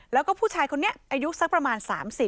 แล้วก็ผู้ชายคนนี้อายุสักประมาณ๓๐